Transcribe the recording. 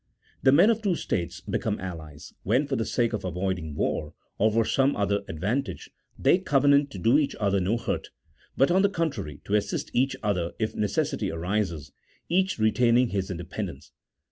The men of two states become allies, when for the sake of avoiding war, or for some other advantage, they covenant to do each other no hurt, but on the contrary, to assist each other if necessity arises, each retaining his independence.